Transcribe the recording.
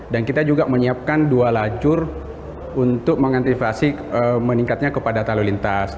dan kita juga menyiapkan dua lajur untuk mengantivasi meningkatnya kepada talu lintas